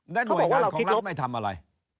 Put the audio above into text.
และหน่วยงานของรัฐไม่ทำอะไร